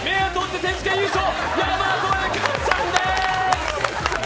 選手権優勝、山添寛さんです！